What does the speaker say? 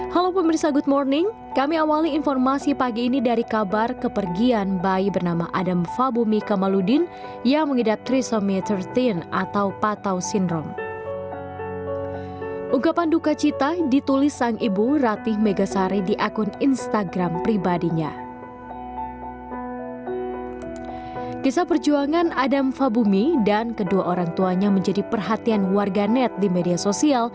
halo pemerintah selamat pagi